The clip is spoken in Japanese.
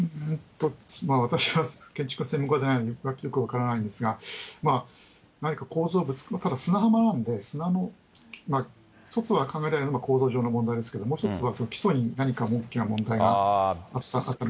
私は建築の専門家じゃないので、分からないんですが、何か構造物、ただ砂浜なんで、一つ考えられるのは、構造上の問題ですけど、もう一つは基礎に何か大きな問題があったのかもしれませんね。